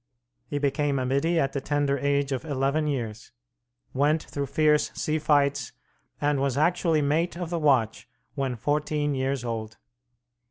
He became a middy at the tender age of eleven years; went through fierce sea fights, and was actually mate of the watch when fourteen years old.